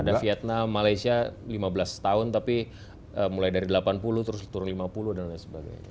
ada vietnam malaysia lima belas tahun tapi mulai dari delapan puluh terus turun lima puluh dan lain sebagainya